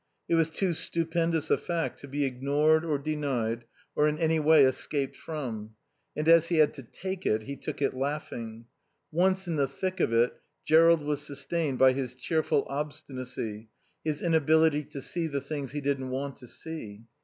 It was too stupendous a fact to be ignored or denied or in any way escaped from. And as he had to "take" it, he took it laughing. Once in the thick of it, Jerrold was sustained by his cheerful obstinacy, his inability to see the things he didn't want to see.